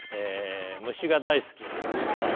虫が大好きなまあ